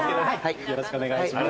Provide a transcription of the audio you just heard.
よろしくお願いします。